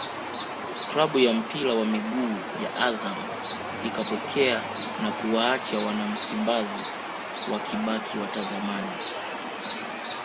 klabu ya mpira wa miguu ya Azam ikapokea na kuwaacha wana Msimbazi wakibaki watazamaji